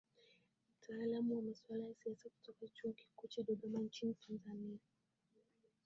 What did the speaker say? mtaalum wa maswala ya siasa kutoka chuo kikuu cha dodoma nchini tanzania